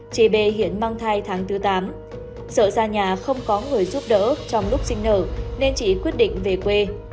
chị b hiện mang thai tháng thứ tám sợ ra nhà không có người giúp đỡ trong lúc sinh nở nên chị quyết định về quê